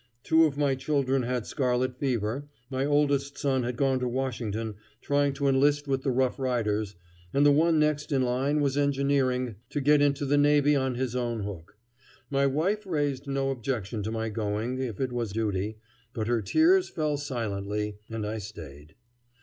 Two of my children had scarlet fever, my oldest son had gone to Washington trying to enlist with the Rough Riders, and the one next in line was engineering to get into the navy on his own hook. My wife raised no objection to my going, if it was duty; but her tears fell silently and I stayed.